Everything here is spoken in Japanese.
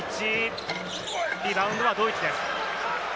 リバウンドはドイツです。